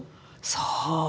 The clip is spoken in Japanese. そう。